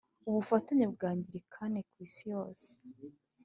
ubufatanye bw Abangilikani ku isi yose